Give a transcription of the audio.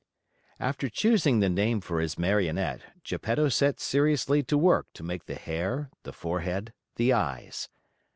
After choosing the name for his Marionette, Geppetto set seriously to work to make the hair, the forehead, the eyes.